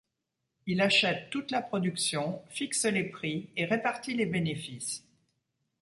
Il achète toute la production, fixe les prix et répartit les bénéfices.